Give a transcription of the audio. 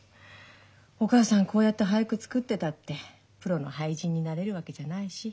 お母さんこうやって俳句作ってたってプロの俳人になれるわけじゃないし。